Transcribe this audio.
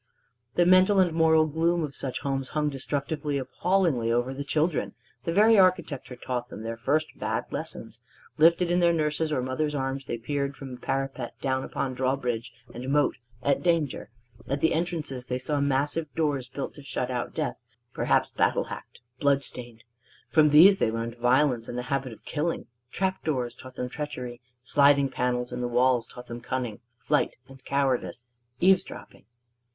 The mental and moral gloom of such homes hung destructively, appallingly over children. The very architecture taught them their first bad lessons. Lifted in their nurse's or mother's arms, they peered from parapet down upon drawbridge and moat at danger. At the entrances they saw massive doors built to shut out death, perhaps battle hacked, blood stained. From these they learned violence and the habit of killing. Trap doors taught them treachery. Sliding panels in walls taught them cunning, flight, and cowardice, eaves dropping.